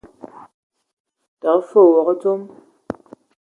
Təgə fəg wog dzom.